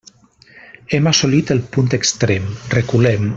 Hem assolit el punt extrem; reculem.